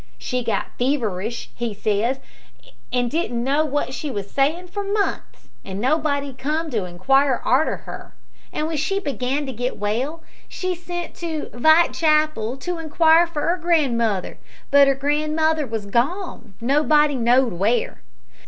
She got feverish, he says, an' didn't know what she was sayin' for months, an' nobody come to inquire arter her, an when she began to git well she sent to Vitechapel to inquire for 'er grandmother, but 'er grandmother was gone, nobody knowed where.